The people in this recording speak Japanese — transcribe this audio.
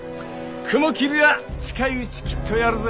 雲霧は近いうちきっとやるぜ。